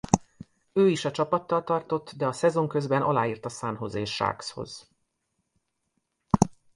Ö is a csapattal tartott de a szezon közben aláírt a San Jose Sharkshoz.